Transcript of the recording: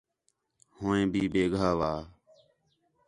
ہو عیں بھی بیگھاوا